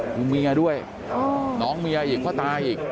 คือเมียด้วยน้องเมียอีกพ่อตาอีก